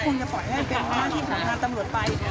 บางที่ไม่ได้คุยแต่พวกพี่ก็คงจะปล่อยให้เป็นหน้าที่ของการตำรวจไป